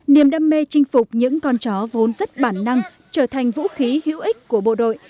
niềm đam mê chinh phục những con chó vốn rất bản năng trở thành vũ khí hữu ích của bộ đội